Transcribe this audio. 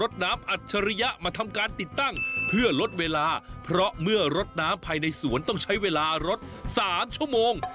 น้ำอัจฉริยะมาทำการติดตั้งเพื่อลดเวลาเพราะเมื่อรถน้ำภายในสวนต้องใช้เวลารถสามชั่วโมง